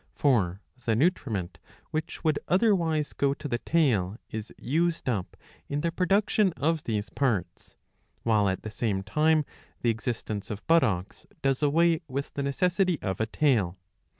For the nutriment which would otherwise go to the tail is used up in the production of these parts,^^ while at the same time the existence of buttocks does away with the necessity of a tail.